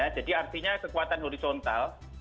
jadi artinya kekuatan horizontal